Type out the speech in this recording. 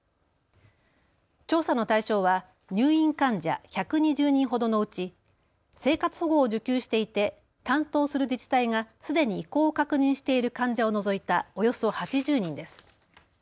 調査の対象は入院患者１２０人ほどのうち生活保護を受給していて担当する自治体がすでに意向を確認している患者を除いたおよそ８０人です。